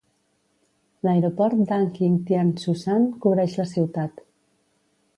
L'aeroport d'Anqing Tianzhushan cobreix la ciutat.